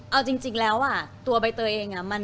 เอาจริงแล้วตัวใบเตยเอง